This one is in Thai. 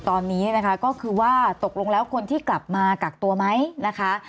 ตอนนี้นะคะก็คือว่าตกลงแล้วคนที่กลับมากักตัวไหมนะคะ